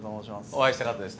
お会いしたかったです。